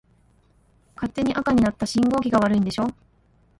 勝手に赤になった信号機が悪いんでしょ。